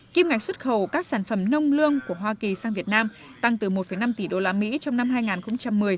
kim ngạch xuất khẩu các sản phẩm nông lương của hoa kỳ sang việt nam tăng từ một năm tỷ usd trong năm hai nghìn một mươi